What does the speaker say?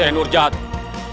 saya nur jatuh